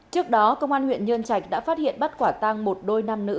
trước đó công an huyện nhơn trạch đã phát hiện bắt quả tàng một đôi nam nữ